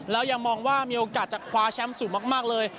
แล้วยังมองว่ามีโอกาสจะคว้าแชมป์สูงมากเลย